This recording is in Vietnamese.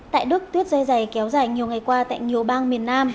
tại đức tuyết dây dày kéo dài nhiều ngày qua tại nhiều bang miền nam